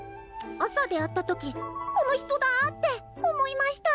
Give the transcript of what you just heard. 朝出会った時「この人だ！」って思いました。